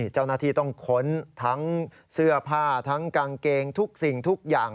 เจ้าหน้าที่ต้องค้นทั้งเสื้อผ้าทั้งกางเกงทุกสิ่งทุกอย่าง